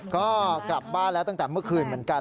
ก็กลับบ้านแล้วตั้งแต่เมื่อคืนเหมือนกัน